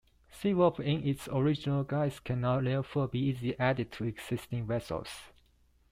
Sea Wolf in its original guise cannot therefore be easily added to existing vessels.